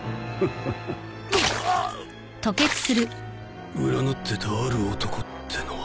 グハッ！占ってたある男ってのは。